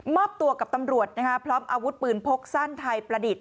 อบตัวกับตำรวจพร้อมอาวุธปืนพกสั้นไทยประดิษฐ